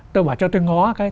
tôi bảo cho tôi ngó cái